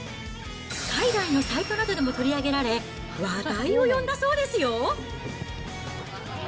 海外のサイトなどでも取り上げられ、話題を呼んだそうですよ。